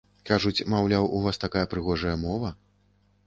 Кажуць, маўляў, у вас такая прыгожая мова!